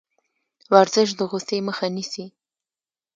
ورزش د غوسې مخه نیسي.